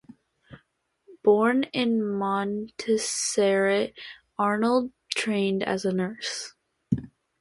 Born in Montserrat, Arnold trained as a nurse.